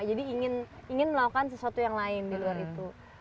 jadi ingin melakukan sesuatu yang lain di luar itu